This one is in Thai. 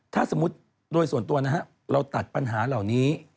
ถ้าสมมุติโดยส่วนตัวนะฮะเราตัดปัญหาเหล่านี้